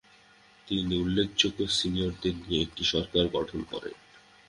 তিনি উল্লেখযোগ্য সিরিয়ানদের নিয়ে একটি সরকার গঠন করেন।